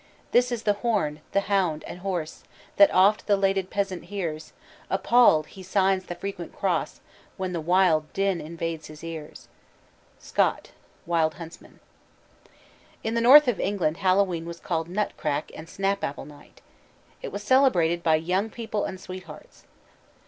"This is the horn, the hound, and horse, That oft the lated peasant hears: Appall'd, he signs the frequent cross, When the wild din invades his ears." SCOTT: Wild Huntsman. In the north of England Hallowe'en was called "nut crack" and "snap apple night." It was celebrated by "young people and sweethearts."